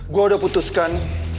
gua udah putuskan